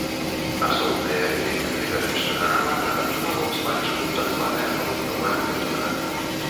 Асобныя элементы гатычнага рамана атрымала ў спадчыну так званая паўднёвая готыка.